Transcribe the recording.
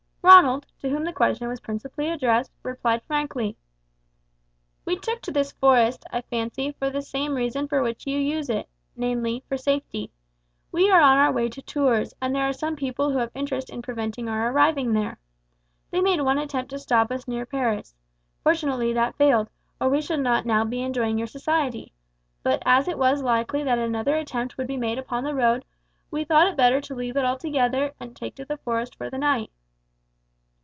Ronald, to whom the question was principally addressed, replied frankly: "We took to this forest, I fancy, for the same reason for which you use it, namely, for safety. We are on our way to Tours, and there are some people who have interest in preventing our arriving there. They made one attempt to stop us near Paris; fortunately that failed, or we should not be now enjoying your society; but as it was likely that another attempt would be made upon the road, we thought it better to leave it altogether and take to the forest for the night."